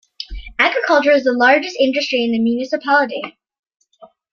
Agriculture is the largest industry in the municipality.